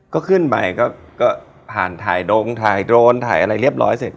ก็ขึ้นไปก็ผ่านถ่ายดงถ่ายโดรนถ่ายอะไรเรียบร้อยเสร็จ